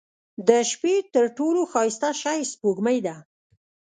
• د شپې تر ټولو ښایسته شی سپوږمۍ ده.